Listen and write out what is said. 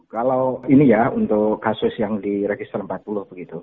kalau ini ya untuk kasus yang diregister empat puluh begitu